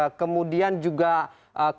agar kemudian juga kemudian bisa